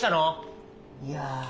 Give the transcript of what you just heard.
いや。